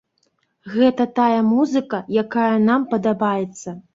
Гэта тая музыка, якая нам падабаецца.